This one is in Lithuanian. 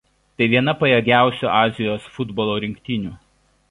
Tai viena pajėgiausių Azijos futbolo rinktinių.